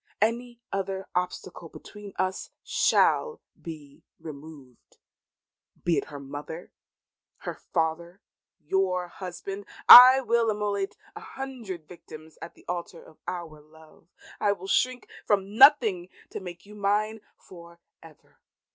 Any other obstacle between us shall be removed; be it her mother, her father your husband! I will immolate a hundred victims at the altar of our love. I will shrink from nothing to make you mine for ever.